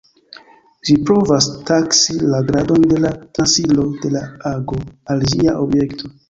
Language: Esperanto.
Ĝi provas taksi la gradon de la transiro de la ago al ĝia objekto.